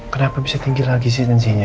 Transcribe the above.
kenapa bisa tinggi lagi sih tensinya